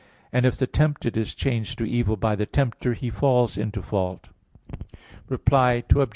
And if the tempted is changed to evil by the tempter he falls into fault. Reply Obj.